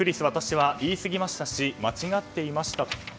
私は、言いすぎましたし間違っていました。